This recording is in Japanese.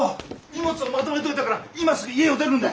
荷物をまとめといたから今すぐ家を出るんだ。